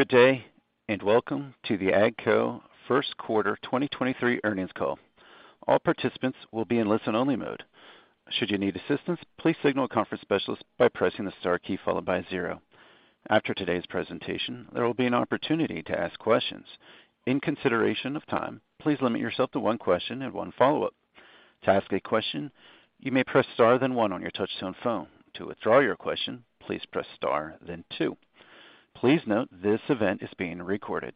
Good day, Welcome to the AGCO First Quarter 2023 Earnings Call. All participants will be in listen-only mode. Should you need assistance, please signal a conference specialist by pressing the star key followed by zero. After today's presentation, there will be an opportunity to ask questions. In consideration of time, please limit yourself to one question and one follow-up. To ask a question, you may press star then one on your touch-tone phone. To withdraw your question, please press star then two. Please note this event is being recorded.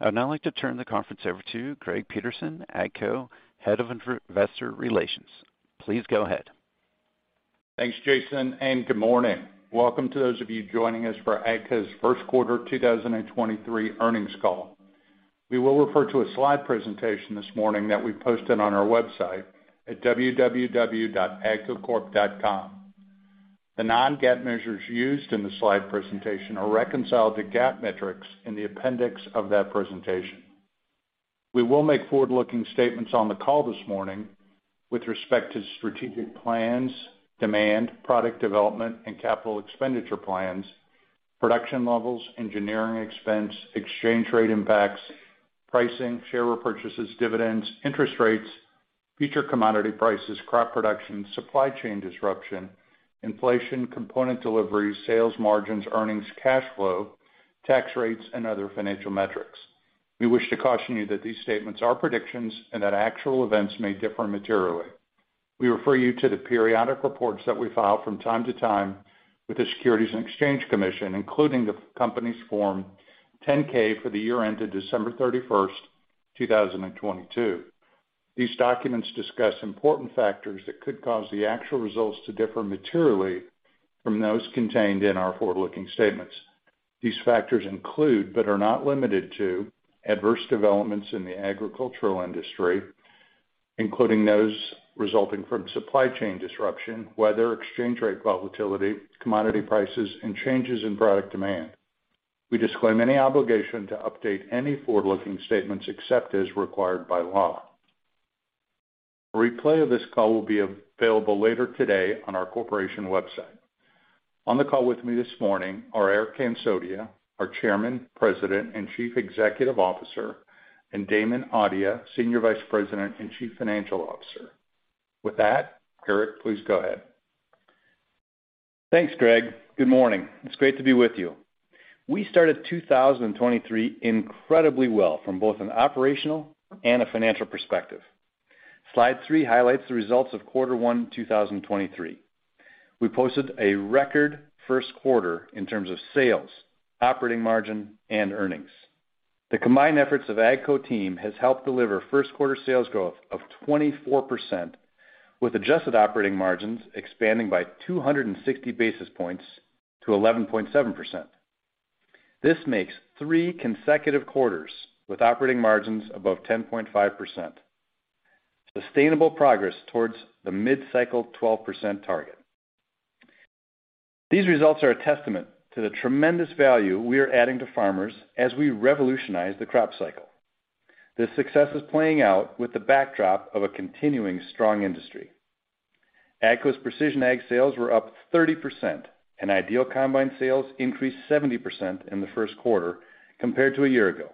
I would now like to turn the conference over to Greg Peterson, AGCO Head of Investor Relations. Please go ahead. Thanks, Jason, and good morning. Welcome to those of you joining us for AGCO's 1st quarter 2023 earnings call. We will refer to a slide presentation this morning that we posted on our website at www.agcocorp.com. The non-GAAP measures used in the slide presentation are reconciled to GAAP metrics in the appendix of that presentation. We will make forward-looking statements on the call this morning with respect to strategic plans, demand, product development and capital expenditure plans, production levels, engineering expense, exchange rate impacts, pricing, share repurchases, dividends, interest rates, future commodity prices, crop production, supply chain disruption, inflation, component delivery, sales margins, earnings, cash flow, tax rates, and other financial metrics. We wish to caution you that these statements are predictions and that actual events may differ materially. We refer you to the periodic reports that we file from time to time with the Securities and Exchange Commission, including the company's Form 10-K for the year ended December 31, 2022. These documents discuss important factors that could cause the actual results to differ materially from those contained in our forward-looking statements. These factors include, but are not limited to, adverse developments in the agricultural industry, including those resulting from supply chain disruption, weather, exchange rate volatility, commodity prices, and changes in product demand. We disclaim any obligation to update any forward-looking statements except as required by law. A replay of this call will be available later today on our corporation website. On the call with me this morning are Eric Hansotia, our Chairman, President, and Chief Executive Officer, and Damon Audia, Senior Vice President and Chief Financial Officer. With that, Eric, please go ahead. Thanks, Greg. Good morning. It's great to be with you. We started 2023 incredibly well from both an operational and a financial perspective. Slide three highlights the results of quarter one 2023. We posted a record first quarter in terms of sales, operating margin, and earnings. The combined efforts of AGCO team has helped deliver first quarter sales growth of 24%, with adjusted operating margins expanding by 260 basis points to 11.7%. This makes three consecutive quarters with operating margins above 10.5%. Sustainable progress towards the mid-cycle 12% target. These results are a testament to the tremendous value we are adding to farmers as we revolutionize the crop cycle. This success is playing out with the backdrop of a continuing strong industry. AGCO's Precision Ag sales were up 30%, and IDEAL combine sales increased 70% in the first quarter compared to a year ago.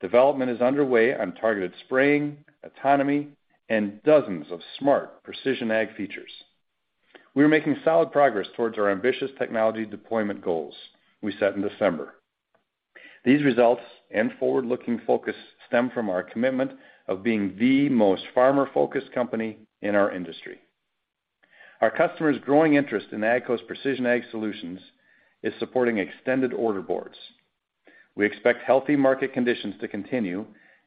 Development is underway on targeted spraying, autonomy, and dozens of smart Precision Ag features. We are making solid progress towards our ambitious technology deployment goals we set in December. These results and forward-looking focus stem from our commitment of being the most farmer-focused company in our industry. Our customers' growing interest in AGCO's Precision Ag solutions is supporting extended order boards. We expect healthy market conditions to continue,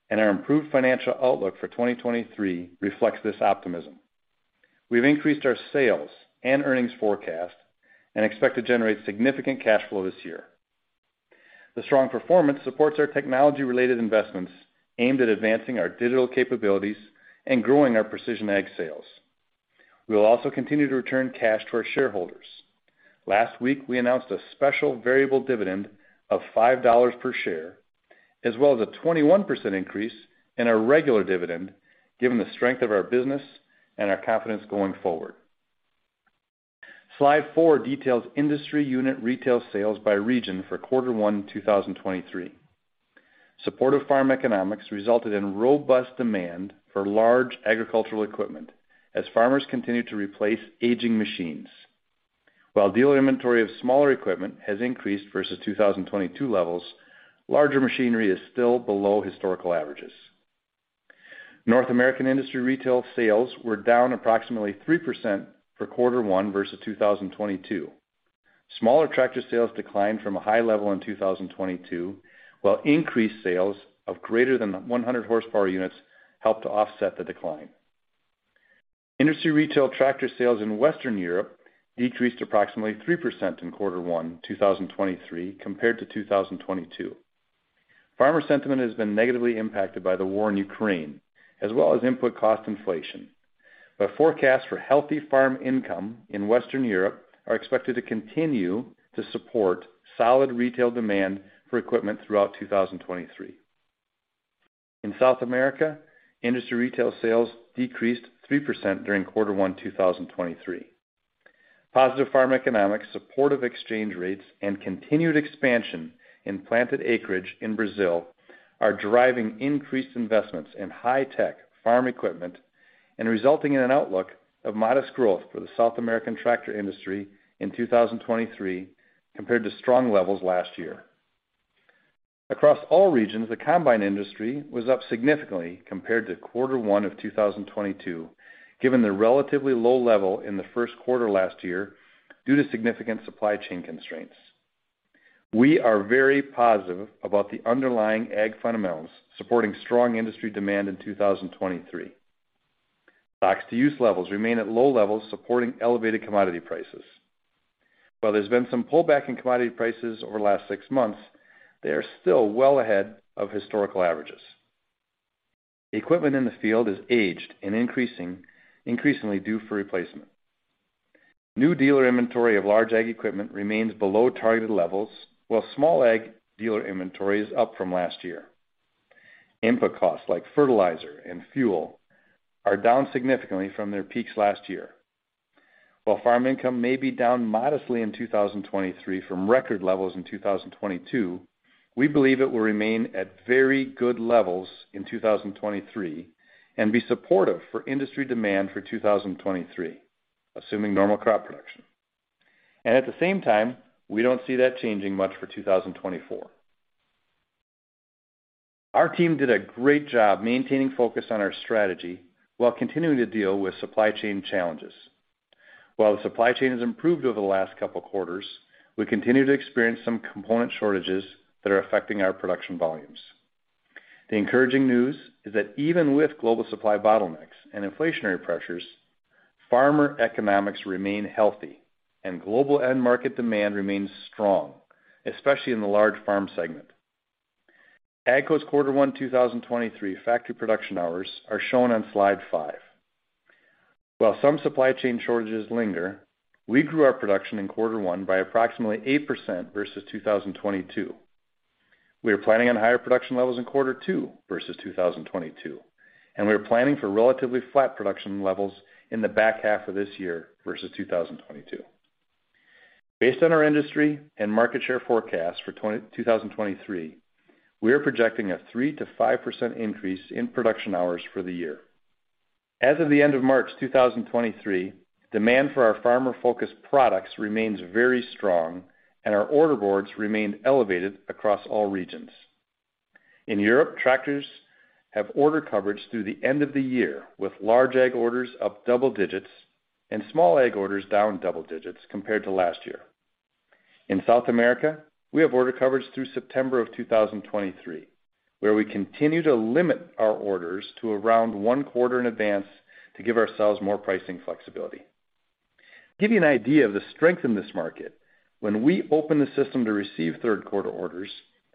and our improved financial outlook for 2023 reflects this optimism. We've increased our sales and earnings forecast and expect to generate significant cash flow this year. The strong performance supports our technology-related investments aimed at advancing our digital capabilities and growing our Precision Ag sales. We will also continue to return cash to our shareholders. Last week, we announced a special variable dividend of $5 per share as well as a 21% increase in our regular dividend, given the strength of our business and our confidence going forward. Slide four details industry unit retail sales by region for quarter one 2023. Supportive farm economics resulted in robust demand for large agricultural equipment as farmers continued to replace aging machines. While dealer inventory of smaller equipment has increased versus 2022 levels, larger machinery is still below historical averages. North American industry retail sales were down approximately 3% for quarter one versus 2022. Smaller tractor sales declined from a high level in 2022, while increased sales of greater than 100 horsepower units helped to offset the decline. Industry retail tractor sales in Western Europe decreased approximately 3% in Q1 2023 compared to 2022. Farmer sentiment has been negatively impacted by the war in Ukraine as well as input cost inflation. Forecasts for healthy farm income in Western Europe are expected to continue to support solid retail demand for equipment throughout 2023. In South America, industry retail sales decreased 3% during Q1 2023. Positive farm economics, supportive exchange rates, and continued expansion in planted acreage in Brazil are driving increased investments in high-tech farm equipment and resulting in an outlook of modest growth for the South American tractor industry in 2023 compared to strong levels last year. Across all regions, the combine industry was up significantly compared to quarter one of 2022, given the relatively low level in the first quarter last year due to significant supply chain constraints. We are very positive about the underlying Ag fundamentals supporting strong industry demand in 2023. stocks-to-use levels remain at low levels, supporting elevated commodity prices. While there's been some pullback in commodity prices over the last six months, they are still well ahead of historical averages. Equipment in the field is aged and increasingly due for replacement. New dealer inventory of large Ag equipment remains below targeted levels, while small Ag dealer inventory is up from last year. Input costs like fertilizer and fuel are down significantly from their peaks last year. While farm income may be down modestly in 2023 from record levels in 2022, we believe it will remain at very good levels in 2023 and be supportive for industry demand for 2023, assuming normal crop production. At the same time, we don't see that changing much for 2024. Our team did a great job maintaining focus on our strategy while continuing to deal with supply chain challenges. While the supply chain has improved over the last couple quarters, we continue to experience some component shortages that are affecting our production volumes. The encouraging news is that even with global supply bottlenecks and inflationary pressures, farmer economics remain healthy and global end market demand remains strong, especially in the large farm segment. AGCO's quarter one 2023 factory production hours are shown on slide five. While some supply chain shortages linger, we grew our production in Q1 by approximately 8% versus 2022. We are planning on higher production levels in Q2 versus 2022. We are planning for relatively flat production levels in the back half of this year versus 2022. Based on our industry and market share forecast for 2023, we are projecting a 3%-5% increase in production hours for the year. As of the end of March 2023, demand for our farmer-focused products remains very strong and our order boards remain elevated across all regions. In Europe, tractors have order coverage through the end of the year, with large ag orders up double digits and small ag orders down double digits compared to last year. In South America, we have order coverage through September of 2023, where we continue to limit our orders to around one quarter in advance to give ourselves more pricing flexibility. To give you an idea of the strength in this market, when we opened the system to receive third quarter orders,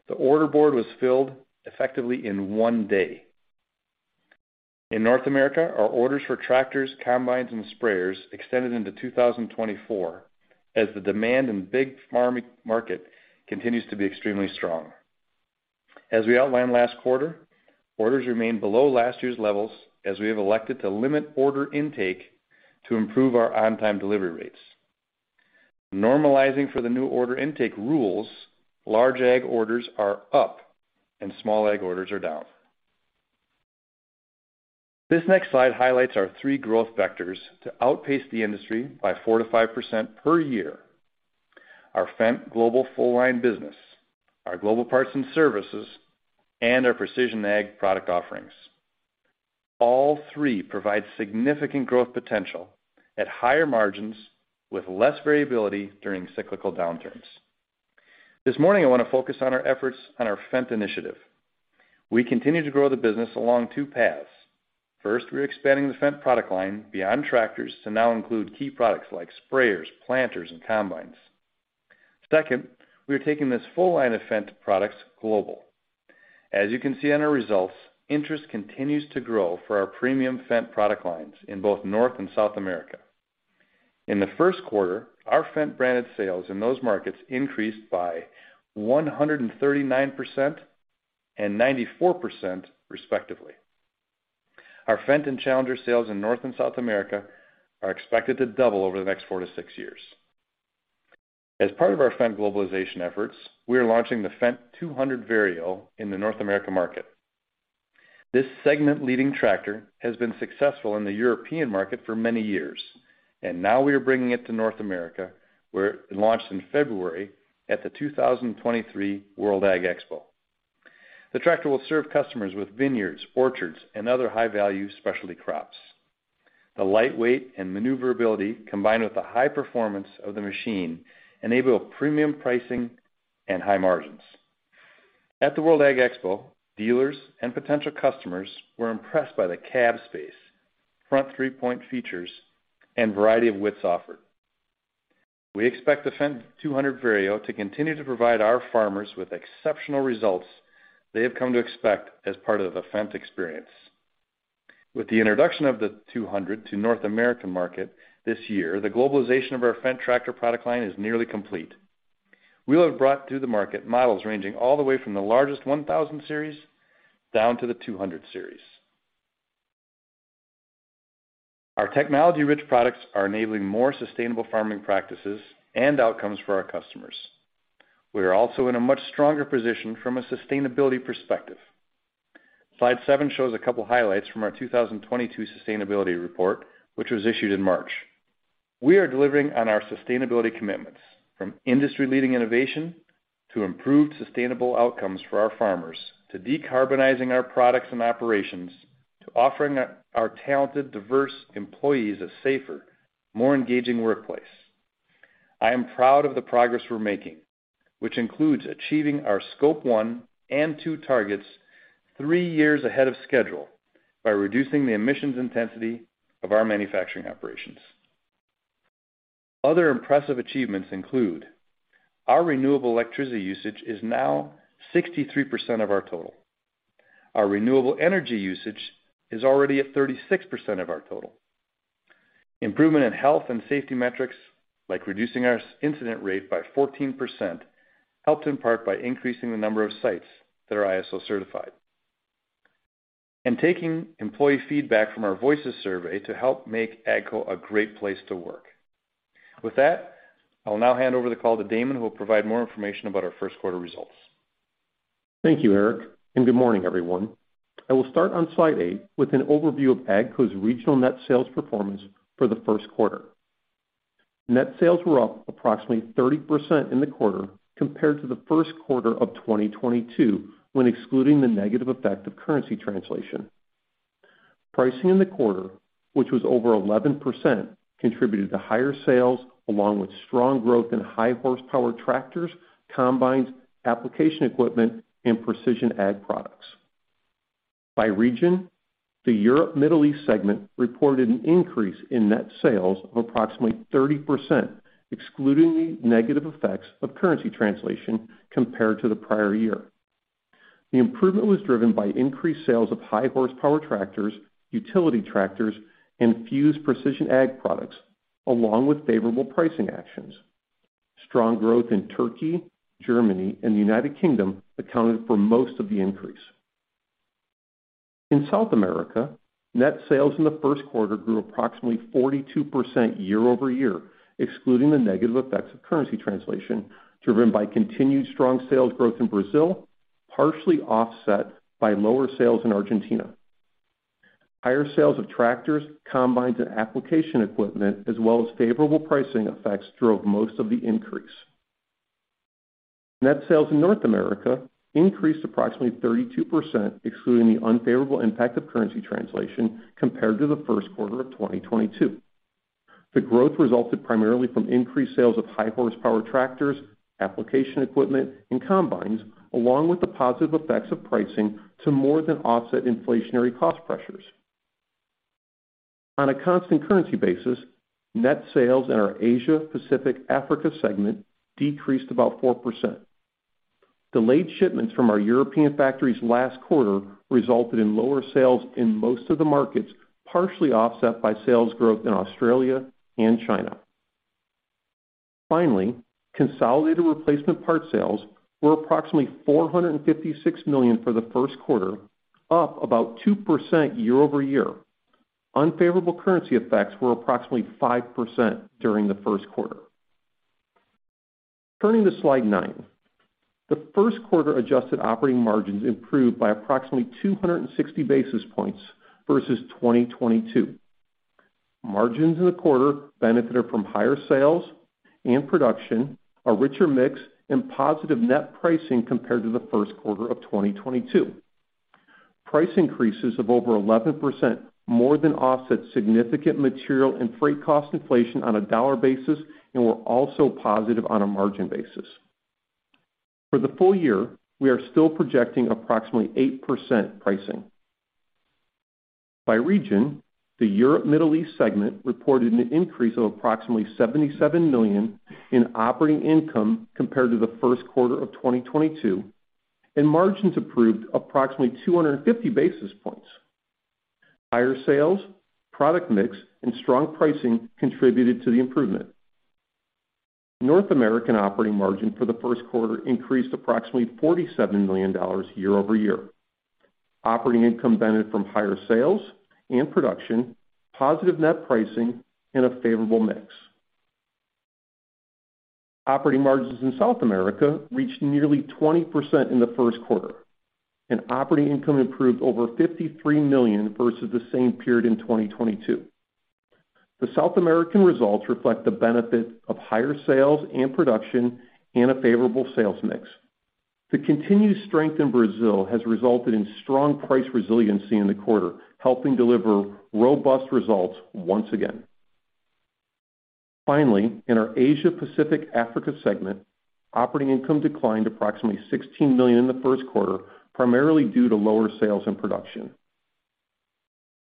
the order board was filled effectively in one day. In North America, our orders for tractors, combines, and sprayers extended into 2024 as the demand in the big farm market continues to be extremely strong. As we outlined last quarter, orders remain below last year's levels as we have elected to limit order intake to improve our on-time delivery rates. Normalizing for the new order intake rules, large Ag orders are up and small Ag orders are down. This next slide highlights our three growth vectors to outpace the industry by 4%-5% per year. Our Fendt global full line business, our global parts and services, and our Precision Ag product offerings. All three provide significant growth potential at higher margins with less variability during cyclical downturns. This morning, I want to focus on our efforts on our Fendt initiative. We continue to grow the business along two paths. First, we're expanding the Fendt product line beyond tractors to now include key products like sprayers, planters, and combines. Second, we are taking this full line of Fendt products global. As you can see on our results, interest continues to grow for our premium Fendt product lines in both North and South America. In the first quarter, our Fendt-branded sales in those markets increased by 139% and 94% respectively. Our Fendt and Challenger sales in North and South America are expected to double over the next 4-6 years. As part of our Fendt globalization efforts, we are launching the Fendt 200 Vario in the North America market. This segment-leading tractor has been successful in the European market for many years, and now we are bringing it to North America, where it launched in February at the 2023 World Ag Expo. The tractor will serve customers with vineyards, orchards, and other high-value specialty crops. The lightweight and maneuverability, combined with the high performance of the machine, enable premium pricing and high margins. At the World Ag Expo, dealers and potential customers were impressed by the cab space, front three-point features, and variety of widths offered. We expect the Fendt 200 Vario to continue to provide our farmers with exceptional results they have come to expect as part of the Fendt experience. With the introduction of the 200 to North American market this year, the globalization of our Fendt tractor product line is nearly complete. We'll have brought to the market models ranging all the way from the largest 1000 series down to the 200 series. Our technology-rich products are enabling more sustainable farming practices and outcomes for our customers. We are also in a much stronger position from a sustainability perspective. Slide seven shows a couple highlights from our 2022 sustainability report, which was issued in March. We are delivering on our sustainability commitments, from industry-leading innovation to improved sustainable outcomes for our farmers, to decarbonizing our products and operations, to offering our talented, diverse employees a safer, more engaging workplace. I am proud of the progress we're making, which includes achieving our Scope 1 and 2 targets three years ahead of schedule by reducing the emissions intensity of our manufacturing operations. Other impressive achievements include our renewable electricity usage is now 63% of our total. Our renewable energy usage is already at 36% of our total. Improvement in health and safety metrics, like reducing our incident rate by 14%, helped in part by increasing the number of sites that are ISO certified. Taking employee feedback from our Voices survey to help make AGCO a great place to work. With that, I will now hand over the call to Damon, who will provide more information about our first quarter results. Thank you, Eric. Good morning, everyone. I will start on slide eight with an overview of AGCO's regional net sales performance for the first quarter. Net sales were up approximately 30% in the quarter compared to the first quarter of 2022, when excluding the negative effect of currency translation. Pricing in the quarter, which was over 11%, contributed to higher sales along with strong growth in high horsepower tractors, combines, application equipment, and Precision Ag products. By region, the Europe Middle East segment reported an increase in net sales of approximately 30%, excluding the negative effects of currency translation compared to the prior year. The improvement was driven by increased sales of high horsepower tractors, utility tractors, and Fuse Precision Ag products, along with favorable pricing actions. Strong growth in Turkey, Germany, and the United Kingdom accounted for most of the increase. In South America, net sales in the first quarter grew approximately 42% year-over-year, excluding the negative effects of currency translation, driven by continued strong sales growth in Brazil, partially offset by lower sales in Argentina. Higher sales of tractors, combines, and application equipment, as well as favorable pricing effects, drove most of the increase. Net sales in North America increased approximately 32%, excluding the unfavorable impact of currency translation, compared to the first quarter of 2022. The growth resulted primarily from increased sales of high horsepower tractors, application equipment, and combines, along with the positive effects of pricing to more than offset inflationary cost pressures. On a constant currency basis, net sales in our Asia Pacific Africa segment decreased about 4%. Delayed shipments from our European factories last quarter resulted in lower sales in most of the markets, partially offset by sales growth in Australia and China. Finally, consolidated replacement part sales were approximately $456 million for the first quarter, up about 2% year-over-year. Unfavorable currency effects were approximately 5% during the first quarter. Turning to slide nine, the first quarter adjusted operating margins improved by approximately 260 basis points versus 2022. Margins in the quarter benefited from higher sales and production, a richer mix, and positive net pricing compared to the first quarter of 2022. Price increases of over 11% more than offset significant material and freight cost inflation on a dollar basis and were also positive on a margin basis. For the full year, we are still projecting approximately 8% pricing. By region, the Europe Middle East segment reported an increase of approximately $77 million in operating income compared to the first quarter of 2022, and margins improved approximately 250 basis points. Higher sales, product mix, and strong pricing contributed to the improvement. North American operating margin for the first quarter increased approximately $47 million year-over-year. Operating income benefited from higher sales and production, positive net pricing, and a favorable mix. Operating margins in South America reached nearly 20% in the first quarter, and operating income improved over $53 million versus the same period in 2022. The South American results reflect the benefit of higher sales and production and a favorable sales mix. The continued strength in Brazil has resulted in strong price resiliency in the quarter, helping deliver robust results once again. Finally, in our Asia Pacific Africa segment, operating income declined approximately $16 million in the first quarter, primarily due to lower sales and production.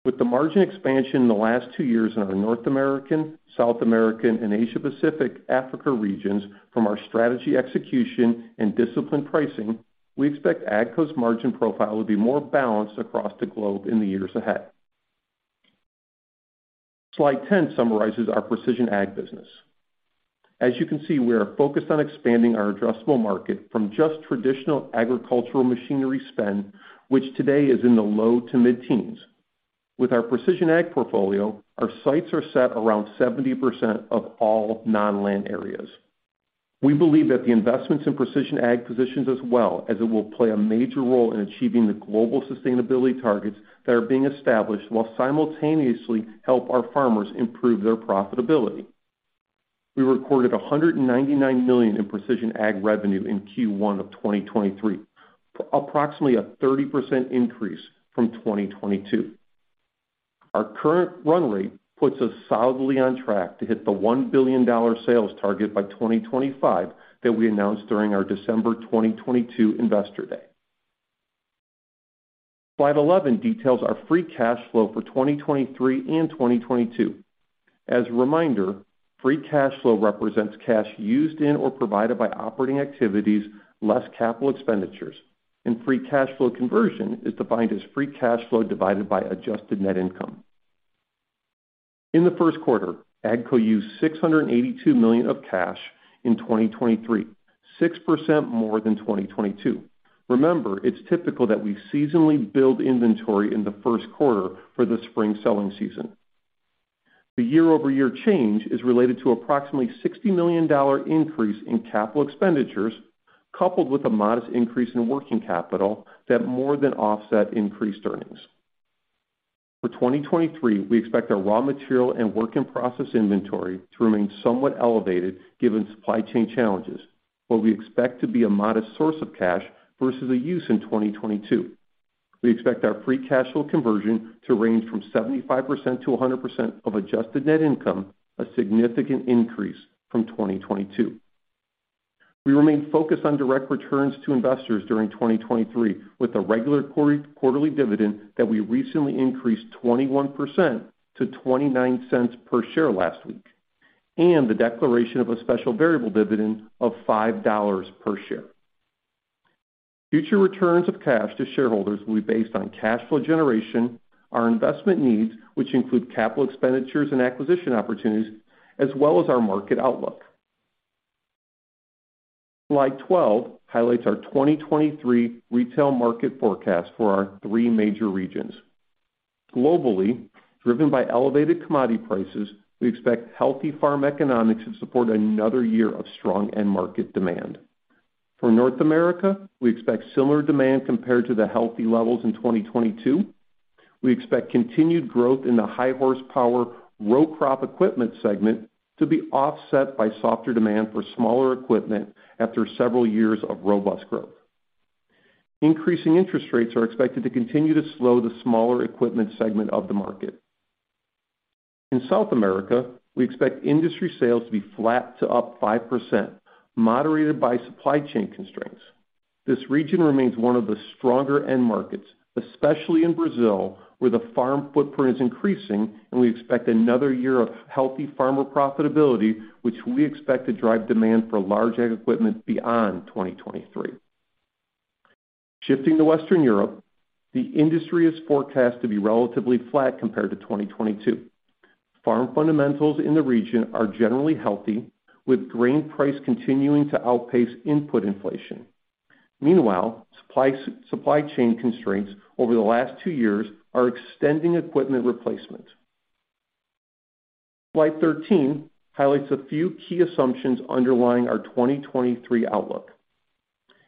With the margin expansion in the last two years in our North American, South American, and Asia Pacific Africa regions from our strategy execution and disciplined pricing, we expect AGCO's margin profile will be more balanced across the globe in the years ahead. Slide 10 summarizes our Precision Ag business. As you can see, we are focused on expanding our addressable market from just traditional agricultural machinery spend, which today is in the low to mid-teens. With our Precision Ag portfolio, our sights are set around 70% of all non-land areas. We believe that the investments in Precision Ag positions as well as it will play a major role in achieving the global sustainability targets that are being established while simultaneously help our farmers improve their profitability. We recorded $199 million in Precision Ag revenue in Q1 of 2023, approximately a 30% increase from 2022. Our current run rate puts us solidly on track to hit the $1 billion sales target by 2025 that we announced during our December 2022 Investor Day. Slide 11 details our free cash flow for 2023 and 2022. As a reminder, free cash flow represents cash used in or provided by operating activities less capital expenditures, and free cash flow conversion is defined as free cash flow divided by adjusted net income. In the first quarter, AGCO used $682 million of cash in 2023, 6% more than 2022. Remember, it's typical that we seasonally build inventory in the first quarter for the spring selling season. The year-over-year change is related to approximately $60 million increase in CapEx, coupled with a modest increase in working capital that more than offset increased earnings. For 2023, we expect our raw material and WIP inventory to remain somewhat elevated given supply chain challenges, what we expect to be a modest source of cash versus a use in 2022. We expect our free cash flow conversion to range from 75%-100% of adjusted net income, a significant increase from 2022. We remain focused on direct returns to investors during 2023 with a regular quarterly dividend that we recently increased 21% to $0.29 per share last week, and the declaration of a special variable dividend of $5 per share. Future returns of cash to shareholders will be based on cash flow generation, our investment needs, which include capital expenditures and acquisition opportunities, as well as our market outlook. Slide 12 highlights our 2023 retail market forecast for our three major regions. Globally, driven by elevated commodity prices, we expect healthy farm economics to support another year of strong end market demand. For North America, we expect similar demand compared to the healthy levels in 2022. We expect continued growth in the high horsepower row crop equipment segment to be offset by softer demand for smaller equipment after several years of robust growth. Increasing interest rates are expected to continue to slow the smaller equipment segment of the market. In South America, we expect industry sales to be flat to up 5%, moderated by supply chain constraints. This region remains one of the stronger end markets, especially in Brazil, where the farm footprint is increasing and we expect another year of healthy farmer profitability, which we expect to drive demand for large ag equipment beyond 2023. Shifting to Western Europe, the industry is forecast to be relatively flat compared to 2022. Farm fundamentals in the region are generally healthy, with grain price continuing to outpace input inflation. Meanwhile, supply chain constraints over the last two years are extending equipment replacement. Slide 13 highlights a few key assumptions underlying our 2023 outlook.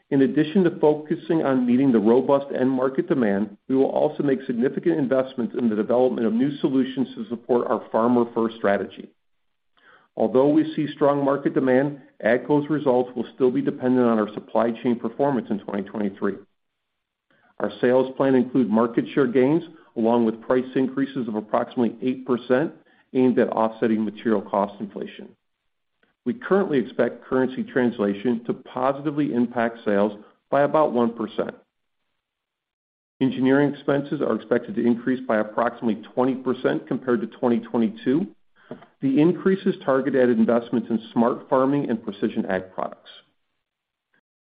In addition to focusing on meeting the robust end market demand, we will also make significant investments in the development of new solutions to support our farmer first strategy. Although we see strong market demand, AGCO's results will still be dependent on our supply chain performance in 2023. Our sales plan include market share gains along with price increases of approximately 8% aimed at offsetting material cost inflation. We currently expect currency translation to positively impact sales by about 1%. Engineering expenses are expected to increase by approximately 20% compared to 2022. The increase is targeted investments in smart farming and Precision Ag products.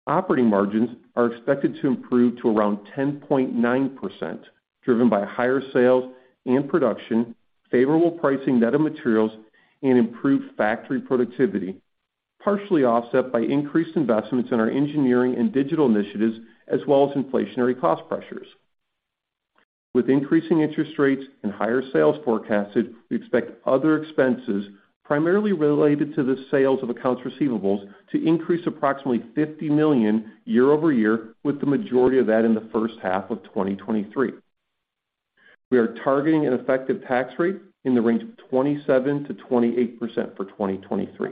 Operating margins are expected to improve to around 10.9%, driven by higher sales and production, favorable pricing net of materials, and improved factory productivity, partially offset by increased investments in our engineering and digital initiatives as well as inflationary cost pressures. With increasing interest rates and higher sales forecasted, we expect other expenses, primarily related to the sales of accounts receivables, to increase approximately $50 million year-over-year, with the majority of that in the first half of 2023. We are targeting an effective tax rate in the range of 27%-28% for 2023.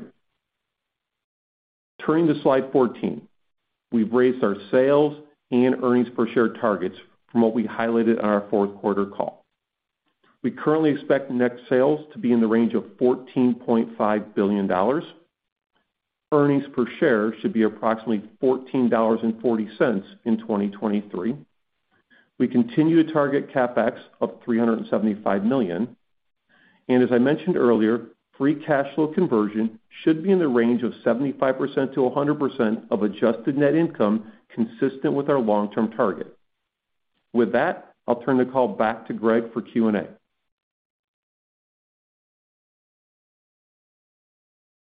Turning to slide 14. We've raised our sales and earnings per share targets from what we highlighted on our fourth quarter call. We currently expect net sales to be in the range of $14.5 billion. Earnings per share should be approximately $14.40 in 2023. We continue to target CapEx of $375 million. As I mentioned earlier, free cash flow conversion should be in the range of 75%-100% of adjusted net income consistent with our long-term target. With that, I'll turn the call back to Greg for Q&A.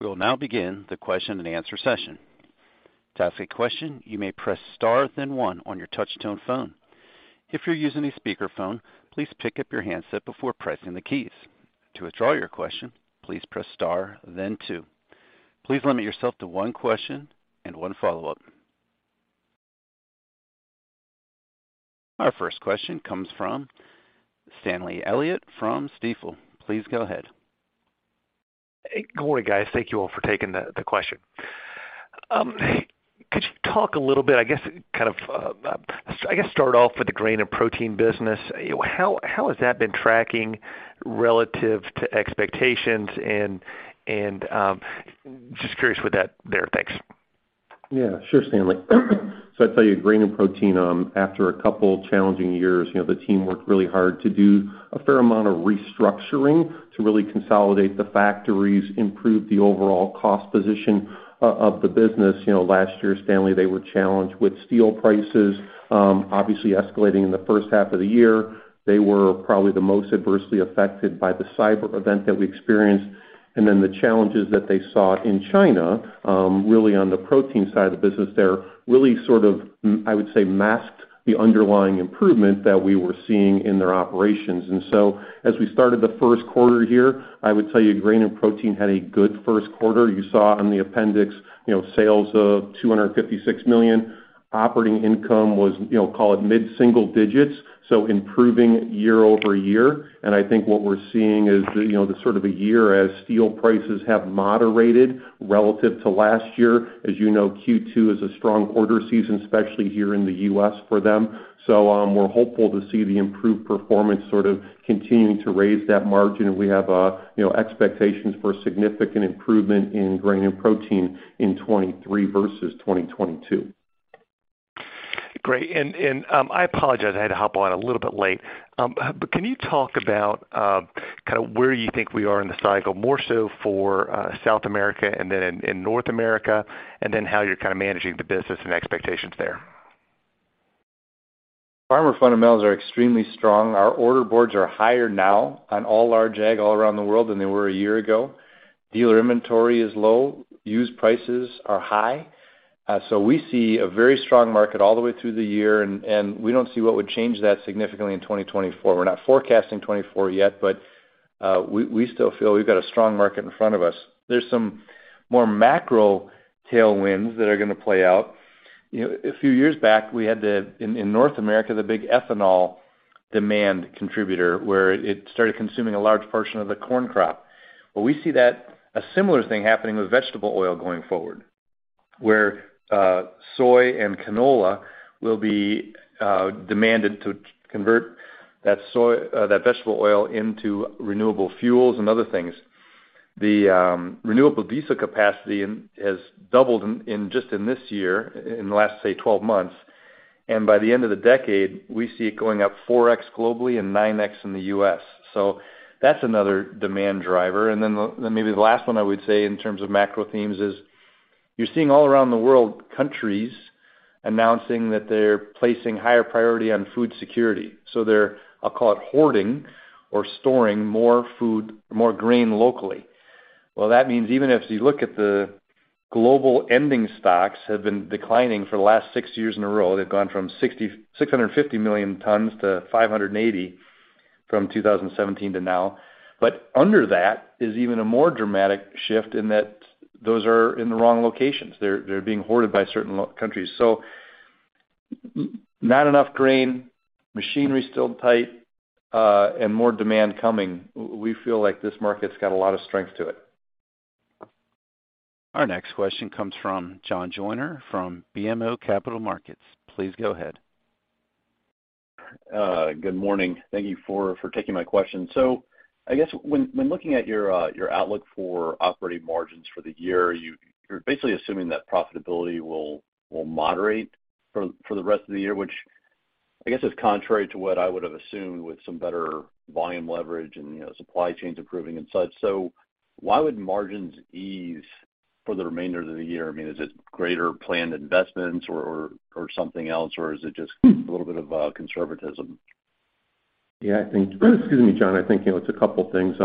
We will now begin the question-and-answer session. To ask a question, you may press star then one on your touch-tone phone. If you're using a speakerphone, please pick up your handset before pressing the keys. To withdraw your question, please press star then two. Please limit yourself to one question and one follow-up. Our first question comes from Stanley Elliott from Stifel. Please go ahead. Good morning, guys. Thank you all for taking the question. Could you talk a little bit, I guess, kind of, I guess start off with the grain and protein business. How has that been tracking relative to expectations? Just curious with that there. Thanks. Yeah, sure, Stanley. I'd tell you, grain and protein, after a couple challenging years, you know, the team worked really hard to do a fair amount of restructuring to really consolidate the factories, improve the overall cost position of the business. You know, last year, Stanley, they were challenged with steel prices, obviously escalating in the first half of the year. They were probably the most adversely affected by the cyber event that we experienced. The challenges that they saw in China, really on the protein side of the business there, really sort of, I would say, masked the underlying improvement that we were seeing in their operations. As we started the first quarter here, I would tell you grain and protein had a good first quarter. You saw on the appendix, you know, sales of $256 million. Operating income was, you know, call it mid-single digits, so improving year-over-year. I think what we're seeing is the, you know, the sort of a year as steel prices have moderated relative to last year. As you know, Q2 is a strong quarter season, especially here in the US for them. We're hopeful to see the improved performance sort of continuing to raise that margin. We have, you know, expectations for significant improvement in grain and protein in 2023 versus 2022. Great. I apologize, I had to hop on a little bit late. Can you talk about kind of where you think we are in the cycle, more so for South America and then in North America, and then how you're kind of managing the business and expectations there? Farmer fundamentals are extremely strong. Our order boards are higher now on all large AG all around the world than they were a year ago. Dealer inventory is low. Used prices are high. We see a very strong market all the way through the year, and we don't see what would change that significantly in 2024. We're not forecasting 2024 yet, we still feel we've got a strong market in front of us. There's some more macro tailwinds that are going to play out. You know, a few years back, we had the in North America, the big ethanol demand contributor, where it started consuming a large portion of the corn crop. Well, we see that a similar thing happening with vegetable oil going forward, where soy and canola will be demanded to convert that vegetable oil into renewable fuels and other things. The renewable diesel capacity has doubled in just this year, in the last, say, 12 months. By the end of the decade, we see it going up 4x globally and 9x in the U.S. That's another demand driver. Then maybe the last one I would say in terms of macro themes is you're seeing all around the world countries announcing that they're placing higher priority on food security. They're, I'll call it hoarding or storing more food, more grain locally. Well, that means even if you look at the global ending stocks have been declining for the last six years in a row. They've gone from 650 million tons to 580 from 2017 to now. Under that is even a more dramatic shift in that those are in the wrong locations. They're being hoarded by certain countries. Not enough grain, machinery still tight, and more demand coming. We feel like this market's got a lot of strength to it. Our next question comes from John Joyner from BMO Capital Markets. Please go ahead. Good morning. Thank you for taking my question. I guess when looking at your outlook for operating margins for the year, you're basically assuming that profitability will moderate for the rest of the year, which I guess is contrary to what I would have assumed with some better volume leverage and, you know, supply chains improving and such. Why would margins ease for the remainder of the year? I mean, is it greater planned investments or something else, or is it just a little bit of conservatism? Yeah, I think, excuse me, John. I think, you know, it's a couple things.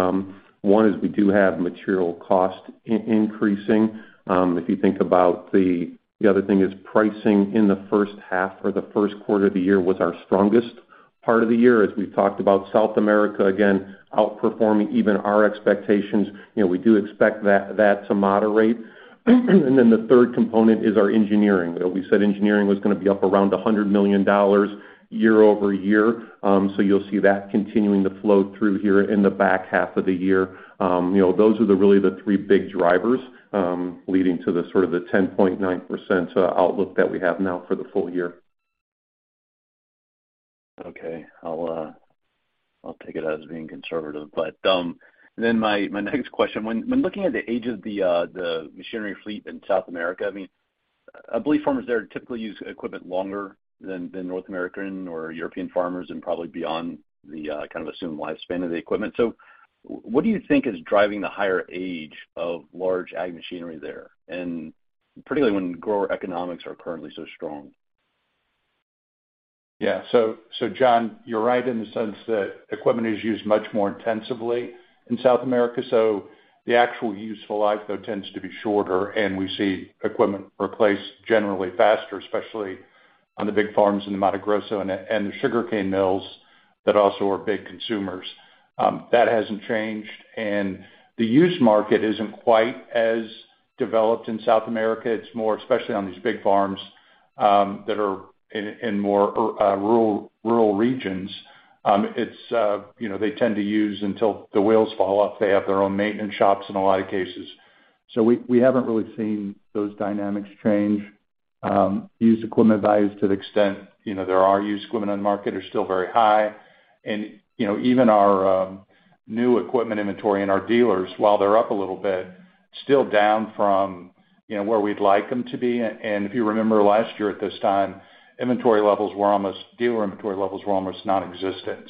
One is we do have material cost increasing. If you think about the other thing is pricing in the first half or the first quarter of the year was our strongest part of the year. As we've talked about South America, again, outperforming even our expectations. You know, we do expect that to moderate. Then the third component is our engineering. You know, we said engineering was gonna be up around $100 million year-over-year. So you'll see that continuing to flow through here in the back half of the year. You know, those are the really the three big drivers, leading to the sort of the 10.9% outlook that we have now for the full year. Okay. I'll take it as being conservative. My next question, when looking at the age of the machinery fleet in South America, I mean, I believe farmers there typically use equipment longer than North American or European farmers and probably beyond the kind of assumed lifespan of the equipment. What do you think is driving the higher age of large ag machinery there? Particularly when grower economics are currently so strong. John, you're right in the sense that equipment is used much more intensively in South America. The actual useful life though tends to be shorter, and we see equipment replaced generally faster, especially on the big farms in the Mato Grosso and the sugarcane mills that also are big consumers. That hasn't changed. The used market isn't quite as developed in South America. It's more especially on these big farms that are in more rural regions. It's, you know, they tend to use until the wheels fall off. They have their own maintenance shops in a lot of cases. We haven't really seen those dynamics change. Used equipment values to the extent, you know, there are used equipment on market are still very high. You know, even our new equipment inventory and our dealers, while they're up a little bit, still down from, you know, where we'd like them to be. If you remember last year at this time, dealer inventory levels were almost nonexistent.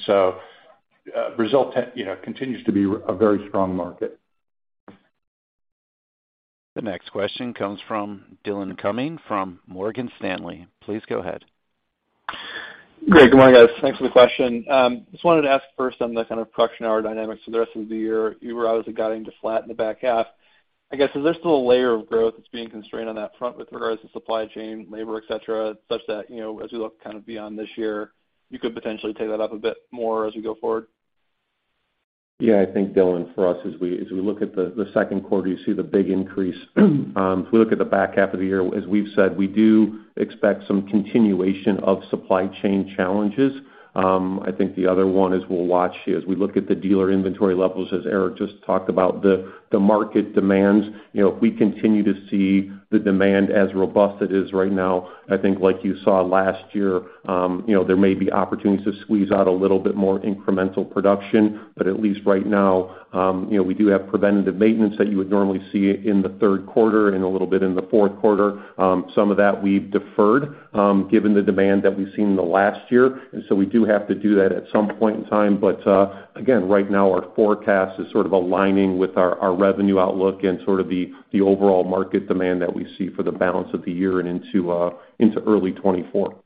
Result, you know, continues to be a very strong market. The next question comes from Dillon Cumming from Morgan Stanley. Please go ahead. Great. Good morning, guys. Thanks for the question. Just wanted to ask first on the kind of production hour dynamics for the rest of the year. You were obviously guiding to flat in the back half. I guess, is this still a layer of growth that's being constrained on that front with regards to supply chain, labor, et cetera, such that, you know, as we look kind of beyond this year, you could potentially take that up a bit more as we go forward? Yeah, I think Dylan, for us, as we look at the second quarter, you see the big increase. If we look at the back half of the year, as we've said, we do expect some continuation of supply chain challenges. I think the other one is we'll watch as we look at the dealer inventory levels, as Eric just talked about, the market demands. You know, if we continue to see the demand as robust it is right now, I think like you saw last year, you know, there may be opportunities to squeeze out a little bit more incremental production. At least right now, you know, we do have preventative maintenance that you would normally see in the third quarter and a little bit in the fourth quarter. Some of that we've deferred, given the demand that we've seen in the last year. We do have to do that at some point in time. Again, right now our forecast is sort of aligning with our revenue outlook and sort of the overall market demand that we see for the balance of the year and into early 2024.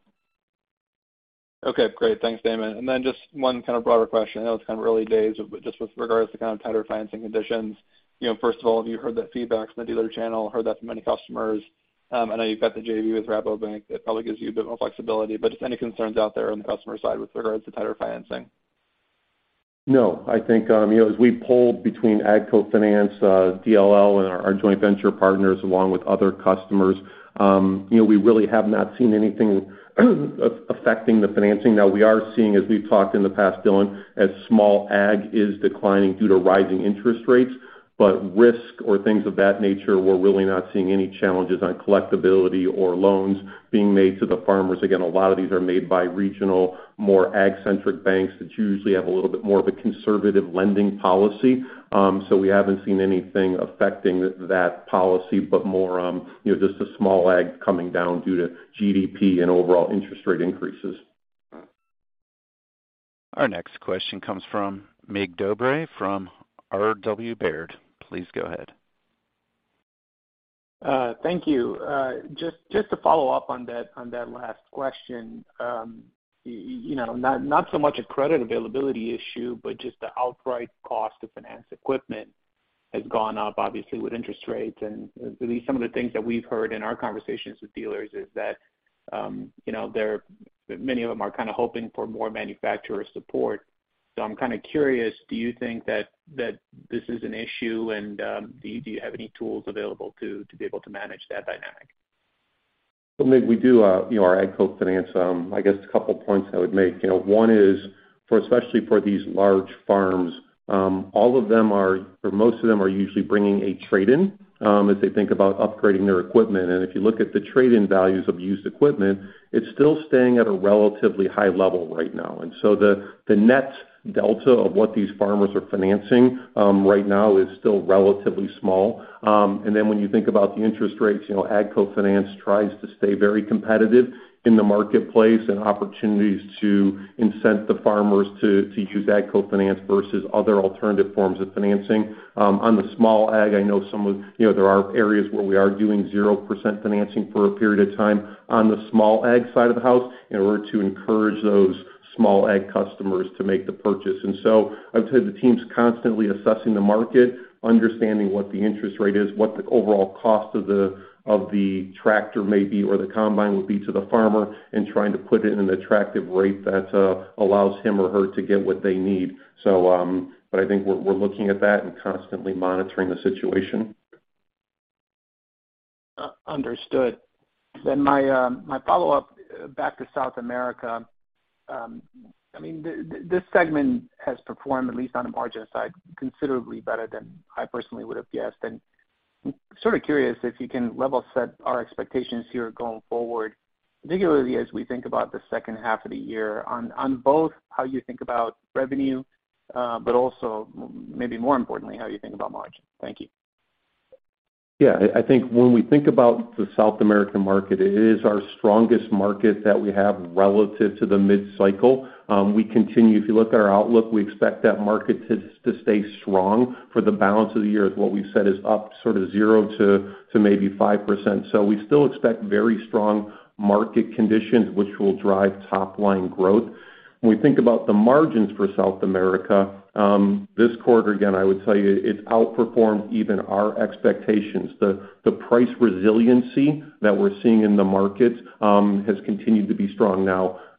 Okay, great. Thanks, Damon. Just one kind of broader question. I know it's kind of early days, but just with regards to kind of tighter financing conditions. You know, first of all, have you heard that feedback from the dealer channel? Heard that from any customers? I know you've got the JV with Rabobank that probably gives you a bit more flexibility, but just any concerns out there on the customer side with regards to tighter financing. I think, you know, as we've pulled between AGCO Finance, DLL, and our joint venture partners along with other customers, you know, we really have not seen anything affecting the financing. We are seeing, as we've talked in the past, Dylan, as small ag is declining due to rising interest rates, risk or things of that nature, we're really not seeing any challenges on collectability or loans being made to the farmers. A lot of these are made by regional, more ag-centric banks that usually have a little bit more of a conservative lending policy. We haven't seen anything affecting that policy, more, you know, just the small ag coming down due to GDP and overall interest rate increases. Our next question comes from Mig Dobre from RW Baird. Please go ahead. Thank you. Just to follow up on that last question. You know, not so much a credit availability issue, but just the outright cost to finance equipment has gone up obviously with interest rates. At least some of the things that we've heard in our conversations with dealers is that, you know, many of them are kind of hoping for more manufacturer support. I'm kind of curious, do you think that this is an issue and do you have any tools available to be able to manage that dynamic? Well, Mig, we do, you know, our AGCO Finance. I guess a couple points I would make. You know, one is for, especially for these large farms, all of them are, or most of them are usually bringing a trade-in as they think about upgrading their equipment. If you look at the trade-in values of used equipment, it's still staying at a relatively high level right now. The net delta of what these farmers are financing right now is still relatively small. When you think about the interest rates, you know, AGCO Finance tries to stay very competitive in the marketplace and opportunities to incent the farmers to choose AGCO Finance versus other alternative forms of financing. On the small ag, I know some of, you know, there are areas where we are doing 0% financing for a period of time on the small ag side of the house in order to encourage those small ag customers to make the purchase. I would say the team's constantly assessing the market, understanding what the interest rate is, what the overall cost of the tractor may be or the combine would be to the farmer, and trying to put it in an attractive rate that allows him or her to get what they need. I think we're looking at that and constantly monitoring the situation. Understood. My follow-up back to South America. I mean, this segment has performed at least on the margin side, considerably better than I personally would have guessed. I'm sort of curious if you can level set our expectations here going forward, particularly as we think about the second half of the year on both how you think about revenue, but also maybe more importantly, how you think about margin. Thank you. I think when we think about the South American market, it is our strongest market that we have relative to the mid-cycle. We continue. If you look at our outlook, we expect that market to stay strong for the balance of the year, as what we've said is up sort of 0% to maybe 5%. We still expect very strong market conditions which will drive top line growth. When we think about the margins for South America, this quarter, again, I would tell you it's outperformed even our expectations. The price resiliency that we're seeing in the markets has continued to be strong.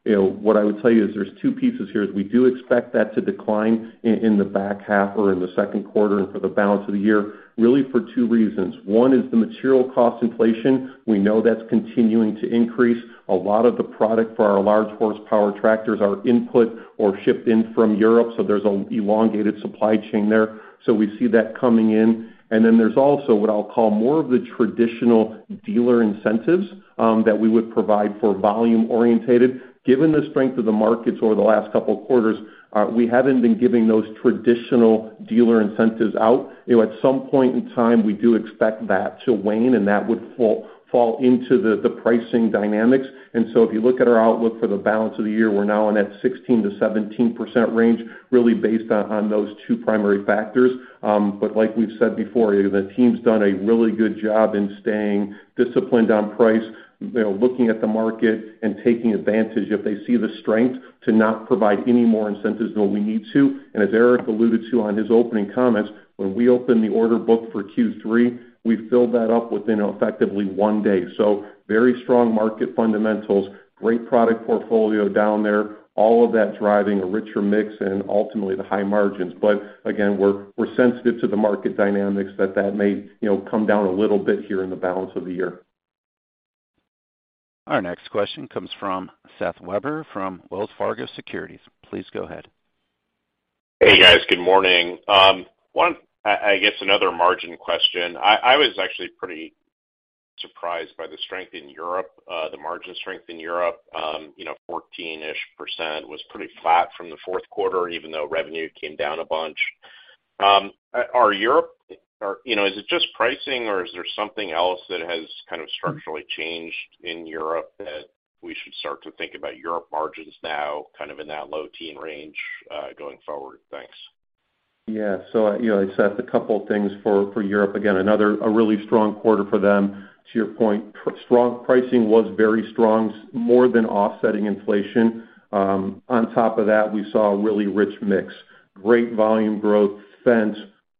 What I would tell you is there's two pieces here, is we do expect that to decline in the back half or in the second quarter and for the balance of the year, really for two reasons. One is the material cost inflation. We know that's continuing to increase. A lot of the product for our large horsepower tractors are input or shipped in from Europe, so there's an elongated supply chain there. We see that coming in. There's also what I'll call more of the traditional dealer incentives that we would provide for volume orientated. Given the strength of the markets over the last two quarters, we haven't been giving those traditional dealer incentives out. You know, at some point in time, we do expect that to wane, and that would fall into the pricing dynamics. If you look at our outlook for the balance of the year, we're now in that 16%-17% range, really based on those two primary factors. Like we've said before, the team's done a really good job in staying disciplined on price, you know, looking at the market and taking advantage if they see the strength to not provide any more incentives than we need to. As Eric alluded to on his opening comments, when we open the order book for Q3, we filled that up within effectively one day. Very strong market fundamentals, great product portfolio down there, all of that driving a richer mix and ultimately the high margins. Again, we're sensitive to the market dynamics that may, you know, come down a little bit here in the balance of the year. Our next question comes from Seth Weber from Wells Fargo Securities. Please go ahead. Hey, guys. Good morning. I guess another margin question. I was actually pretty surprised by the strength in Europe, the margin strength in Europe. You know, 14-ish% was pretty flat from the fourth quarter, even though revenue came down a bunch. You know, is it just pricing or is there something else that has kind of structurally changed in Europe that we should start to think about Europe margins now kind of in that low teen range, going forward? Thanks. You know, Seth, a couple of things for Europe. Another, a really strong quarter for them. To your point, strong pricing was very strong, more than offsetting inflation. On top of that, we saw a really rich mix, great volume growth, Fendt,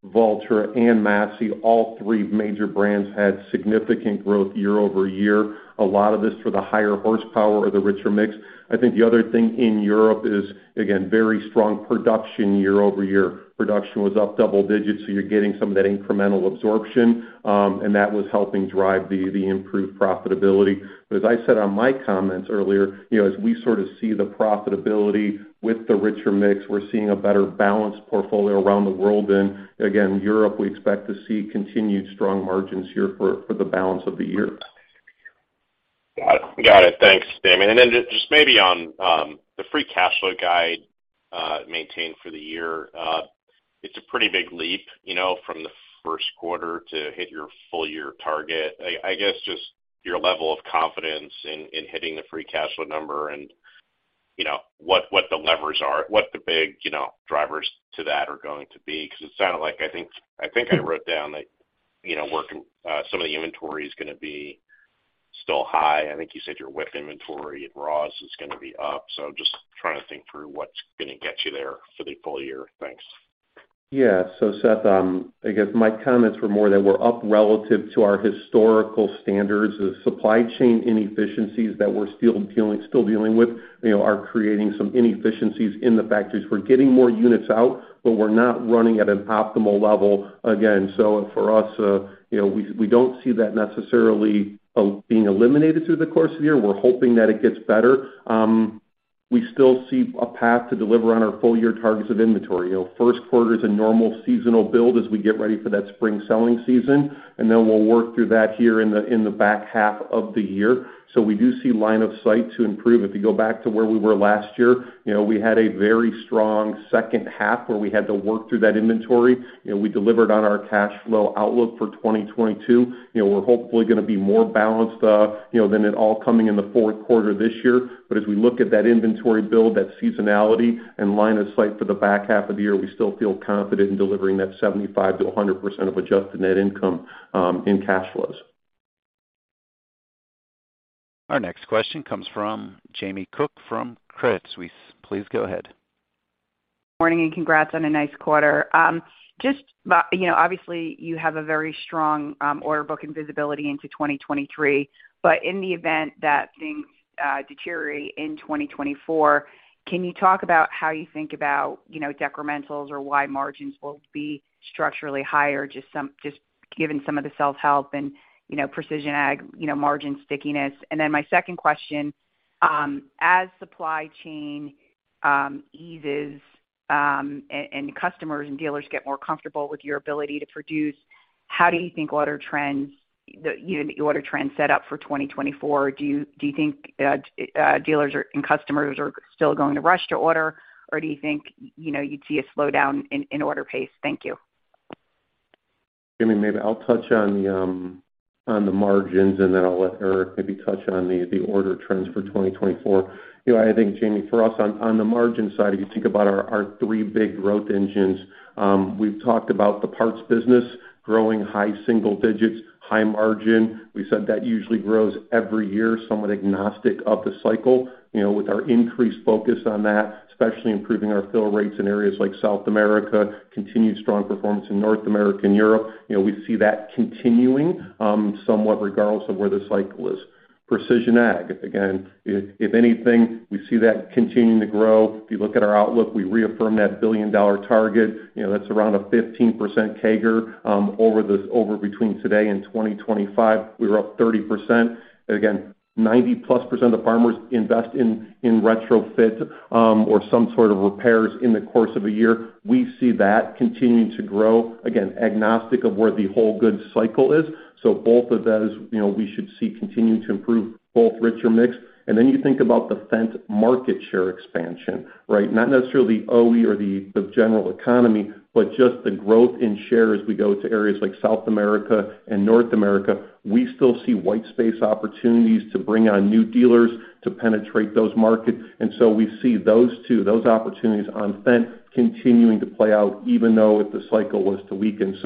Valtra and Massey, all three major brands had significant growth year-over-year. A lot of this for the higher horsepower or the richer mix. I think the other thing in Europe is, again, very strong production year-over-year. Production was up double digits, so you're getting some of that incremental absorption, and that was helping drive the improved profitability. As I said on my comments earlier, you know, as we sort of see the profitability with the richer mix, we're seeing a better balanced portfolio around the world. Again, Europe, we expect to see continued strong margins here for the balance of the year. Got it. Got it. Thanks, Damon. Just maybe on the free cash flow guide, maintained for the year. It's a pretty big leap, you know, from the first quarter to hit your full year target. I guess just your level of confidence in hitting the free cash flow number and, you know, what the levers are, what the big, you know, drivers to that are going to be. 'Cause it sounded like, I think I wrote down that, you know, some of the inventory is gonna be still high. I think you said your WIP inventory and raw is gonna be up. Just trying to think through what's gonna get you there for the full year, thanks. Yeah. Seth, I guess my comments were more that we're up relative to our historical standards of supply chain inefficiencies that we're still dealing with, you know, are creating some inefficiencies in the factories. We're getting more units out, but we're not running at an optimal level again. For us, you know, we don't see that necessarily being eliminated through the course of the year. We're hoping that it gets better. We still see a path to deliver on our full year targets of inventory. You know, first quarter is a normal seasonal build as we get ready for that spring selling season, and then we'll work through that here in the, in the back half of the year. We do see line of sight to improve. If you go back to where we were last year, you know, we had a very strong second half where we had to work through that inventory. You know, we delivered on our cash flow outlook for 2022. You know, we're hopefully gonna be more balanced, you know, than it all coming in the fourth quarter this year. As we look at that inventory build, that seasonality and line of sight for the back half of the year, we still feel confident in delivering that 75%-100% of adjusted net income in cash flows. Our next question comes from Jamie Cook from Credit Suisse. Please go ahead. Morning, congrats on a nice quarter. Just about, you know, obviously you have a very strong order book and visibility into 2023, but in the event that things deteriorate in 2024, can you talk about how you think about, you know, decrementals or why margins will be structurally higher, just given some of the self-help and, you know, Precision Ag, you know, margin stickiness? My second question, as supply chain eases, and customers and dealers get more comfortable with your ability to produce, how do you think order trends, the, you know, the order trends set up for 2024? Do you think dealers are and customers are still going to rush to order, or do you think, you know, you'd see a slowdown in order pace? Thank you. Jamie, maybe I'll touch on the margins, and then I'll let Eric maybe touch on the order trends for 2024. You know, I think, Jamie, for us on the margin side, if you think about our three big growth engines, we've talked about the parts business growing high single digits, high margin. We said that usually grows every year, somewhat agnostic of the cycle. You know, with our increased focus on that, especially improving our fill rates in areas like South America, continued strong performance in North America and Europe, you know, we see that continuing somewhat regardless of where the cycle is. Precision Ag, again, if anything, we see that continuing to grow. If you look at our outlook, we reaffirm that billion-dollar target. You know, that's around a 15% CAGR between today and 2025, we're up 30%. Again, 90%+ of farmers invest in retrofit or some sort of repairs in the course of a year. We see that continuing to grow, again, agnostic of where the whole goods cycle is. Both of those, you know, we should see continuing to improve both richer mix. You think about the Fendt market share expansion, right? Not necessarily OE or the general economy, but just the growth in share as we go to areas like South America and North America. We still see white space opportunities to bring on new dealers to penetrate those markets. We see those opportunities on Fendt continuing to play out even though if the cycle was to weaken.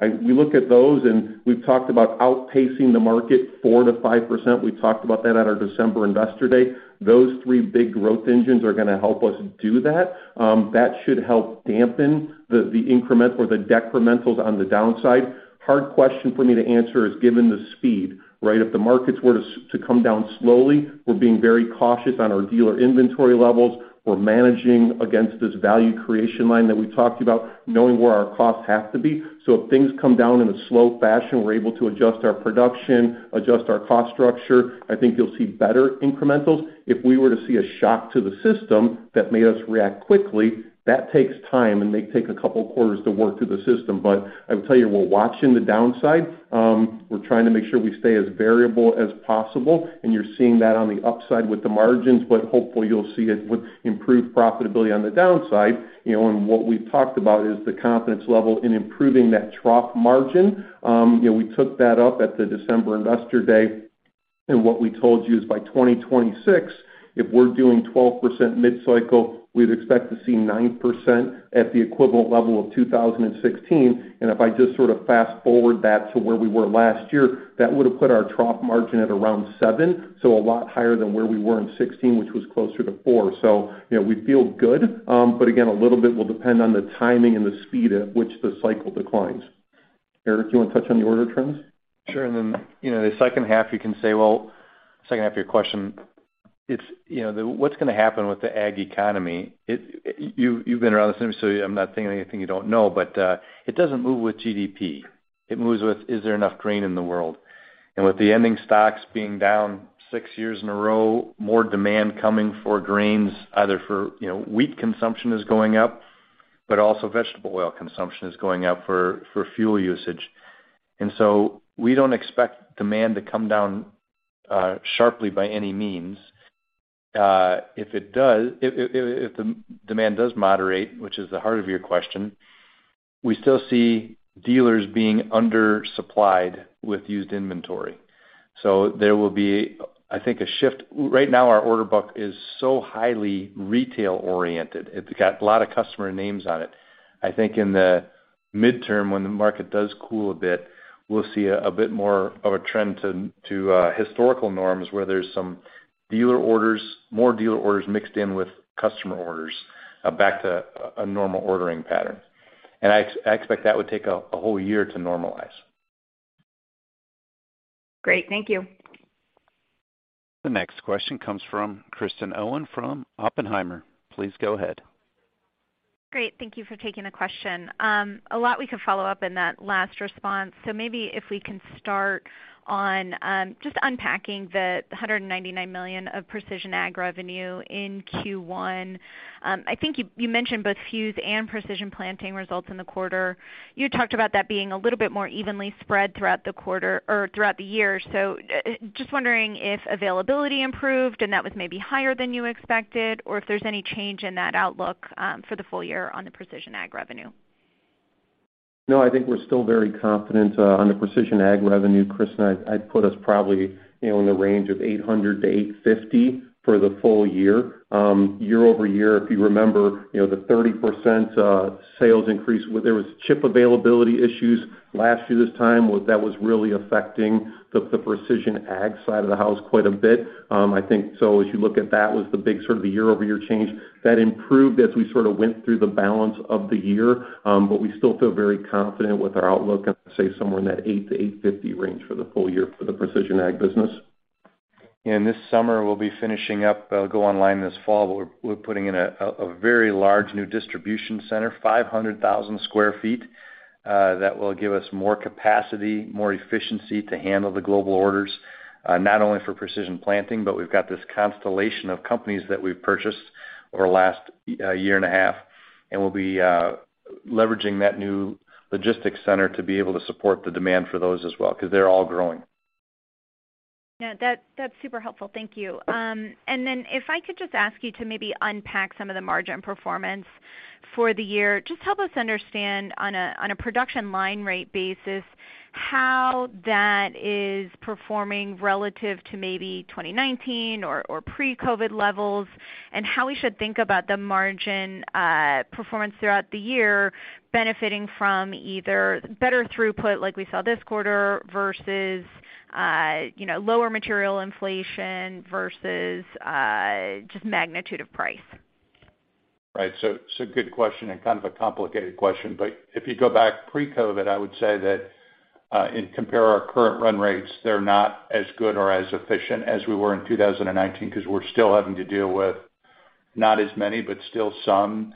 I-- we look at those, and we've talked about outpacing the market 4-5%. We talked about that at our December Investor Day. Those three big growth engines are gonna help us do that. That should help dampen the increment or the decrementals on the downside. Hard question for me to answer is given the speed, right? If the markets were to come down slowly, we're being very cautious on our dealer inventory levels. We're managing against this value creation line that we talked about, knowing where our costs have to be. If things come down in a slow fashion, we're able to adjust our production, adjust our cost structure. I think you'll see better incrementals. If we were to see a shock to the system that made us react quickly, that takes time and may take a couple quarters to work through the system. I will tell you, we're watching the downside. We're trying to make sure we stay as variable as possible, and you're seeing that on the upside with the margins, but hopefully you'll see it with improved profitability on the downside. You know, what we've talked about is the confidence level in improving that trough margin. You know, we took that up at the December Investor Day, and what we told you is by 2026, if we're doing 12% mid-cycle, we'd expect to see 9% at the equivalent level of 2016. If I just sort of fast-forward that to where we were last year, that would have put our trough margin at around 7, so a lot higher than where we were in 16, which was closer to 4. You know, we feel good, but again, a little bit will depend on the timing and the speed at which the cycle declines. Eric, you wanna touch on the order trends? Sure. You know, the second half you can say, well, second half of your question, it's, you know, what's going to happen with the ag economy? You've been around this industry, I'm not saying anything you don't know, but it doesn't move with GDP. It moves with, is there enough grain in the world? With the ending stocks being down six years in a row, more demand coming for grains, either for, you know, wheat consumption is going up, but also vegetable oil consumption is going up for fuel usage. We don't expect demand to come down sharply by any means. If the demand does moderate, which is the heart of your question, we still see dealers being undersupplied with used inventory. There will be, I think, a shift. Right now, our order book is so highly retail-oriented. It's got a lot of customer names on it. I think in the midterm, when the market does cool a bit, we'll see a bit more of a trend to historical norms, where there's some dealer orders, more dealer orders mixed in with customer orders, back to a normal ordering pattern. I expect that would take a whole year to normalize. Great. Thank you. The next question comes from Kristen Owen from Oppenheimer. Please go ahead. Great. Thank you for taking the question. A lot we could follow up in that last response, maybe if we can start on just unpacking the $199 million of Precision Ag revenue in Q1. I think you mentioned both Fuse and Precision Planting results in the quarter. You talked about that being a little bit more evenly spread throughout the quarter or throughout the year. Just wondering if availability improved, and that was maybe higher than you expected, or if there's any change in that outlook for the full year on the Precision Ag revenue. No, I think we're still very confident on the Precision Ag revenue, Kristen. I'd put us probably, you know, in the range of $800 million-$850 million for the full year. Year-over-year, if you remember, you know, the 30% sales increase, where there was chip availability issues last year this time, that was really affecting the Precision Ag side of the house quite a bit. I think, so as you look at that was the big sort of the year-over-year change. That improved as we sort of went through the balance of the year. We still feel very confident with our outlook at, say, somewhere in that $800 million-$850 million range for the full year for the Precision Ag business. This summer, we'll be finishing up, it'll go online this fall, but we're putting in a very large new distribution center, 500,000 sq ft, that will give us more capacity, more efficiency to handle the global orders, not only for Precision Planting, but we've got this constellation of companies that we've purchased over the last year and a half, and we'll be leveraging that new logistics center to be able to support the demand for those as well, 'cause they're all growing. No, that's super helpful. Thank you. Then if I could just ask you to maybe unpack some of the margin performance for the year, just help us understand on a production line rate basis how that is performing relative to maybe 2019 or pre-COVID levels, and how we should think about the margin performance throughout the year benefiting from either better throughput like we saw this quarter versus, you know, lower material inflation versus just magnitude of price. Right. Good question and kind of a complicated question. If you go back pre-COVID, I would say that, and compare our current run rates, they're not as good or as efficient as we were in 2019 because we're still having to deal with not as many, but still some,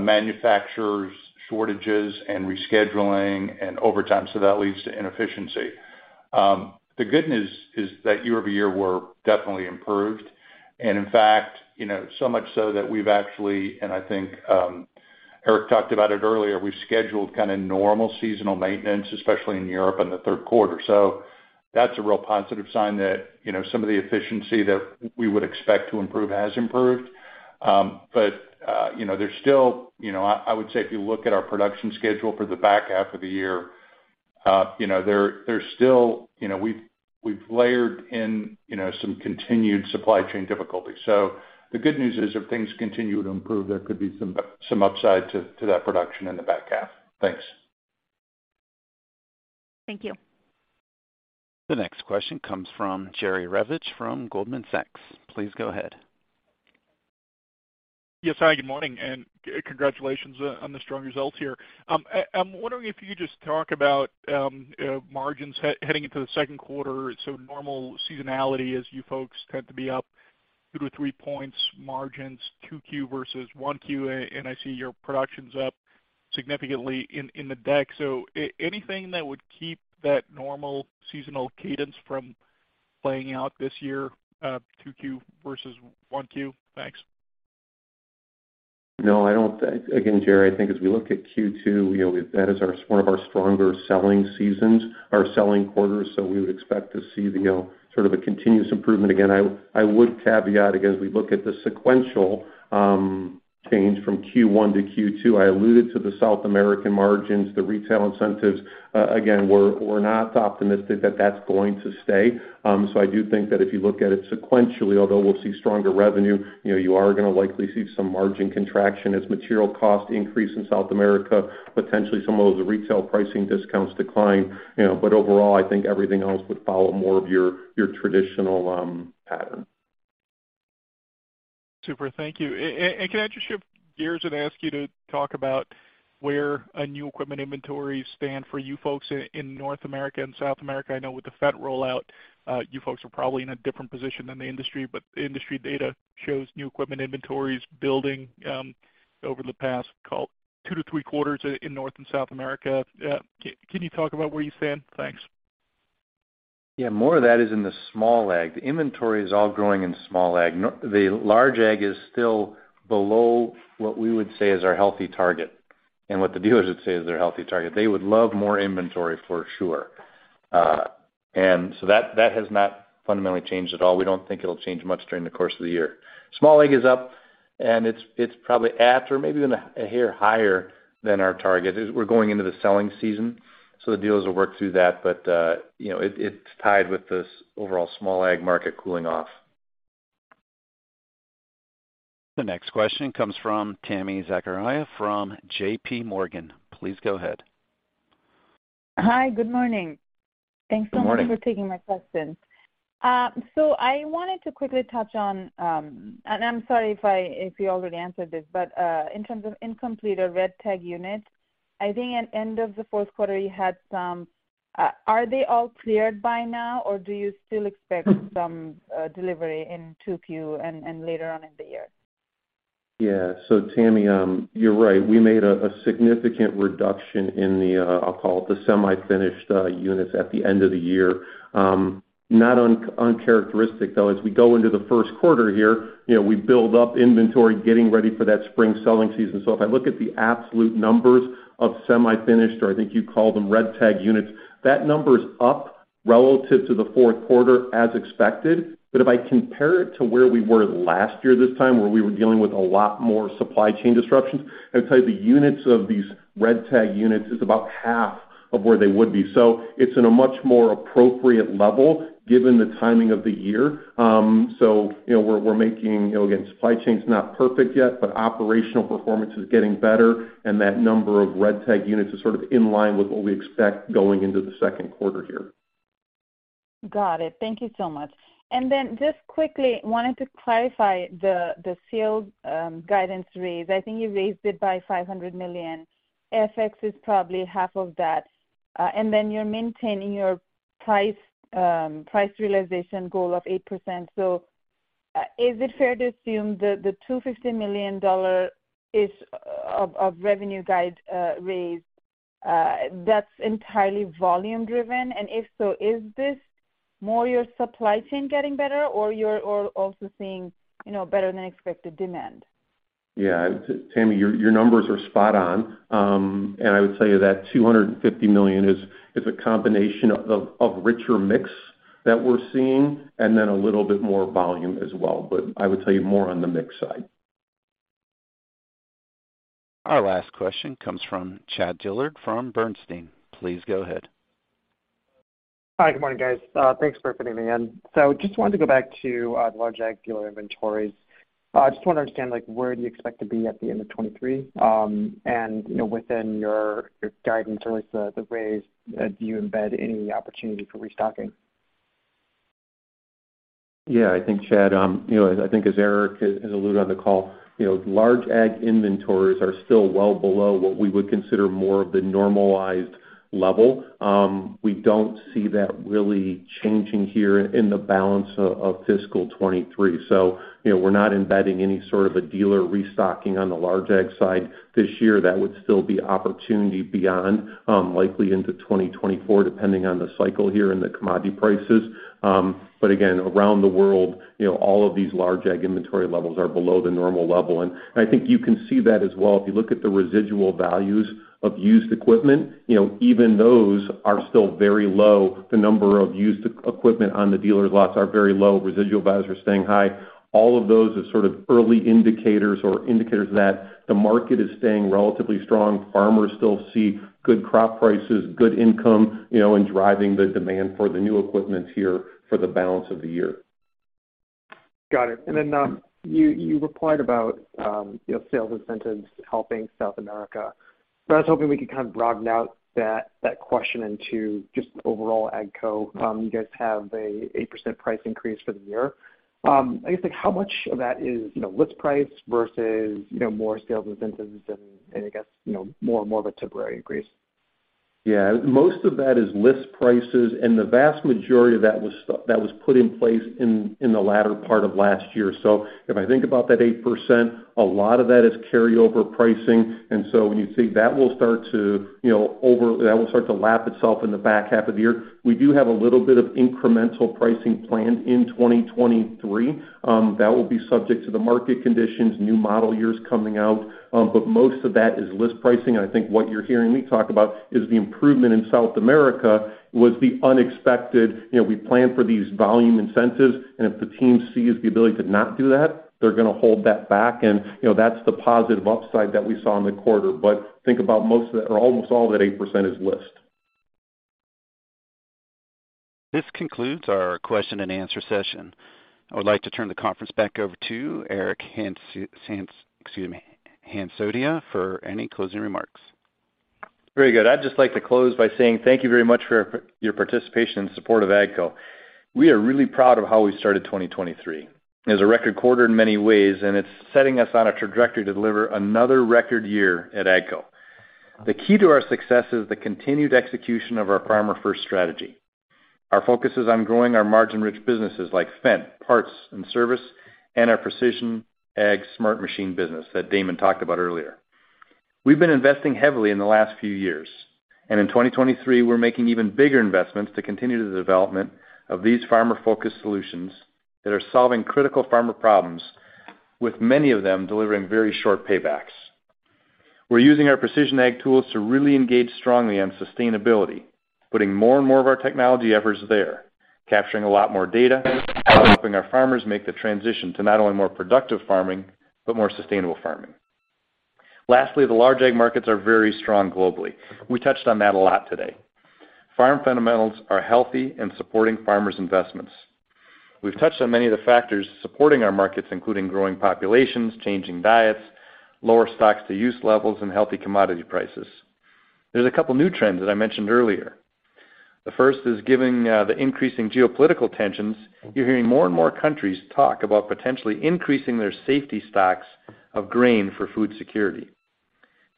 manufacturers shortages and rescheduling and overtime, so that leads to inefficiency. The good news is that year-over-year we're definitely improved. In fact, you know, so much so that we've actually and I think Eric talked about it earlier, we scheduled kind of normal seasonal maintenance, especially in Europe in the third quarter. That's a real positive sign that, you know, some of the efficiency that we would expect to improve has improved. You know, there's still, you know, I would say if you look at our production schedule for the back half of the year, you know, there's still, you know, we've layered in, you know, some continued supply chain difficulties. The good news is if things continue to improve, there could be some upside to that production in the back half. Thanks. Thank you. The next question comes from Jerry Revich from Goldman Sachs. Please go ahead. Yes. Hi, good morning. Congratulations on the strong results here. I'm wondering if you could just talk about margins heading into the second quarter. Normal seasonality as you folks tend to be up 2-3 points margins 2Q versus 1Q, and I see your production's up significantly in the deck. Anything that would keep that normal seasonal cadence from playing out this year, 2Q versus 1Q? Thanks. No, I don't. Again, Jerry, I think as we look at Q2, you know, that is our, one of our stronger selling seasons or selling quarters, so we would expect to see, you know, sort of a continuous improvement. I would caveat, again, as we look at the sequential change from Q1 to Q2, I alluded to the South American margins, the retail incentives. We're not optimistic that that's going to stay. I do think that if you look at it sequentially, although we'll see stronger revenue, you know, you are gonna likely see some margin contraction as material costs increase in South America, potentially some of those retail pricing discounts decline, you know, but overall, I think everything else would follow more of your traditional pattern. Super. Thank you. Can I just shift gears and ask you to talk about where a new equipment inventory stand for you folks in North America and South America? I know with the Fendt rollout, you folks are probably in a different position than the industry, but industry data shows new equipment inventories building over the past, call it 2-3 quarters in North and South America. Can you talk about where you stand? Thanks. Yeah. More of that is in the small ag. The inventory is all growing in small ag. The large ag is still below what we would say is our healthy target and what the dealers would say is their healthy target. They would love more inventory for sure. That has not fundamentally changed at all. We don't think it'll change much during the course of the year. Small ag is up, and it's probably at or maybe even a hair higher than our target. We're going into the selling season, the dealers will work through that. You know, it's tied with this overall small ag market cooling off. The next question comes from Tami Zakaria from JPMorgan. Please go ahead. Hi. Good morning. Good morning. Thanks so much for taking my question. I wanted to quickly touch on, and I'm sorry if you already answered this, but in terms of incomplete or red tag units, I think at end of the fourth quarter you had some. Are they all cleared by now, or do you still expect some delivery in 2Q and later on in the year? Tammy, you're right. We made a significant reduction in the, I'll call it the semi-finished, units at the end of the year. Not uncharacteristic, though, as we go into the 1st quarter here, you know, we build up inventory, getting ready for that spring selling season. If I look at the absolute numbers of semi-finished, or I think you call them red tag units, that number is up relative to the 4th quarter as expected. If I compare it to where we were last year this time, where we were dealing with a lot more supply chain disruptions, I'd tell you the units of these red tag units is about half of where they would be. It's in a much more appropriate level given the timing of the year. You know, we're making, you know, again, supply chain's not perfect yet, but operational performance is getting better, and that number of red tag units is sort of in line with what we expect going into the second quarter here. Got it. Thank you so much. Just quickly, wanted to clarify the sales guidance raise. I think you raised it by $500 million. FX is probably half of that. You're maintaining your price price realization goal of 8%. Is it fair to assume the $250 million is of revenue guide raise that's entirely volume driven? If so, is this more your supply chain getting better or you're also seeing, you know, better than expected demand? Yeah. Tammy, your numbers are spot on. I would say that $250 million is a combination of richer mix that we're seeing and then a little bit more volume as well. I would tell you more on the mix side. Our last question comes from Chad Dillard from Bernstein. Please go ahead. Hi. Good morning, guys. Thanks for fitting me in. Just wanted to go back to large ag dealer inventories. Just wanna understand, like, where do you expect to be at the end of 2023, and, you know, within your guidance or with the raise, do you embed any opportunity for restocking? Yeah. I think, Chad, you know, I think as Eric has alluded on the call, you know, large ag inventories are still well below what we would consider more of the normalized level. We don't see that really changing here in the balance of fiscal 2023. You know, we're not embedding any sort of a dealer restocking on the large ag side this year. That would still be opportunity beyond, likely into 2024, depending on the cycle here and the commodity prices. Again, around the world, you know, all of these large ag inventory levels are below the normal level. I think you can see that as well. If you look at the residual values of used equipment, you know, even those are still very low. The number of used equipment on the dealers' lots are very low. Residual values are staying high. All of those are sort of early indicators or indicators that the market is staying relatively strong. Farmers still see good crop prices, good income, you know, and driving the demand for the new equipments here for the balance of the year. Got it. Then, you replied about, you know, sales incentives helping South America. I was hoping we could kind of broaden out that question into just overall AGCO. You guys have a 8% price increase for the year. I guess, like, how much of that is, you know, list price versus, you know, more sales incentives and, I guess, you know, more and more of a temporary increase? Most of that is list prices, the vast majority of that was that was put in place in the latter part of last year. If I think about that 8%, a lot of that is carryover pricing. When you think, that will start to, you know, that will start to lap itself in the back half of the year. We do have a little bit of incremental pricing planned in 2023, that will be subject to the market conditions, new model years coming out, but most of that is list pricing. I think what you're hearing me talk about is the improvement in South America was the unexpected. You know, we plan for these volume incentives, and if the team sees the ability to not do that, they're gonna hold that back. You know, that's the positive upside that we saw in the quarter. Think about most of the... or almost all of that 8% is list. This concludes our question and answer session. I would like to turn the conference back over to Eric Hansotia for any closing remarks. Very good. I'd just like to close by saying thank you very much for your participation and support of AGCO. We are really proud of how we started 2023. It was a record quarter in many ways, and it's setting us on a trajectory to deliver another record year at AGCO. The key to our success is the continued execution of our farmer first strategy. Our focus is on growing our margin-rich businesses like Fendt, parts and service, and our Precision Ag smart machine business that Damon talked about earlier. We've been investing heavily in the last few years, and in 2023, we're making even bigger investments to continue the development of these farmer-focused solutions that are solving critical farmer problems, with many of them delivering very short paybacks. We're using our Precision Ag tools to really engage strongly on sustainability, putting more and more of our technology efforts there, capturing a lot more data, helping our farmers make the transition to not only more productive farming but more sustainable farming. Lastly, the large ag markets are very strong globally. We touched on that a lot today. Farm fundamentals are healthy and supporting farmers' investments. We've touched on many of the factors supporting our markets, including growing populations, changing diets, lower stocks-to-use levels, and healthy commodity prices. There's a couple new trends that I mentioned earlier. The first is giving the increasing geopolitical tensions. You're hearing more and more countries talk about potentially increasing their safety stocks of grain for food security.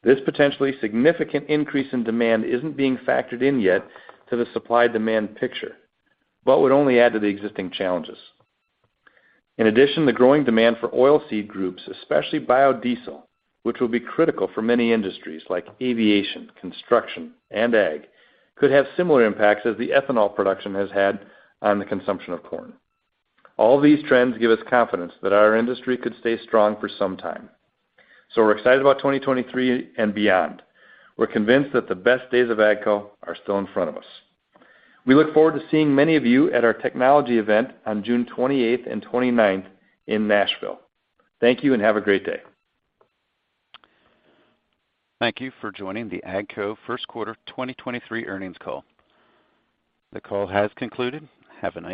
This potentially significant increase in demand isn't being factored in yet to the supply-demand picture but would only add to the existing challenges. In addition, the growing demand for oilseed crops, especially biodiesel, which will be critical for many industries like aviation, construction, and ag, could have similar impacts as the ethanol production has had on the consumption of corn. All these trends give us confidence that our industry could stay strong for some time. We're excited about 2023 and beyond. We're convinced that the best days of AGCO are still in front of us. We look forward to seeing many of you at our technology event on June 28th and 29th in Nashville. Thank you, and have a great day. Thank you for joining the AGCO first quarter 2023 earnings call. The call has concluded. Have a nice day.